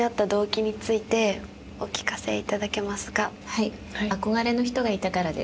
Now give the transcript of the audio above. はい憧れの人がいたからです。